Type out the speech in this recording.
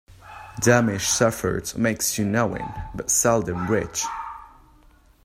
Damage suffered makes you knowing, but seldom rich.